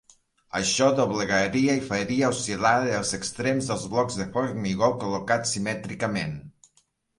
Això doblegaria i faria oscil·lar els extrems dels blocs de formigó col·locats simètricament.